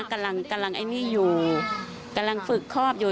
กำลังกำลังไอ้นี่อยู่กำลังฝึกครอบอยู่